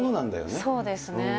そうですね。